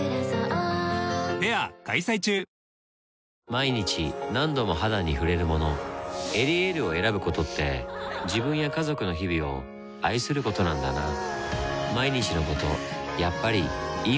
毎日何度も肌に触れるもの「エリエール」を選ぶことって自分や家族の日々を愛することなんだなぁ